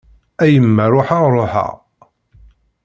A yemma ruḥeɣ ruḥeɣ.